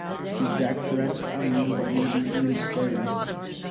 The exact threats are unknown but may be human disturbance.